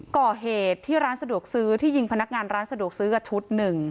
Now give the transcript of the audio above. ก่อเหตุที่ร้านสะดวกซื้อที่ยิงพนักงานร้านสะดวกซื้อกับชุดหนึ่ง